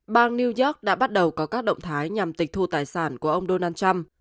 bang new york đã bắt đầu có các động thái nhằm tịch thu tài sản của ông donald trump